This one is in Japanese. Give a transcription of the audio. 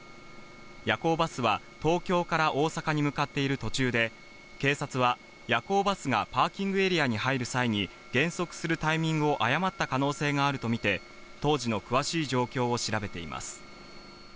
夜行バスは東京から大阪に向かっている途中で、警察は夜行バスがパーキングエリアに入る際に減速するタイミングを誤った可能性があるとみて当時の詳しい状況を調べています。